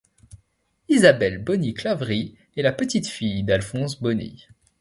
Isabelle Boni-Claverie est la petite-fille d'Alphonse Boni.